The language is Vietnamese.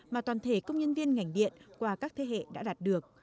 mà toàn thể công nhân viên ngành điện qua các thế hệ đã đạt được